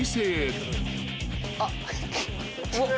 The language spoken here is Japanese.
あっ。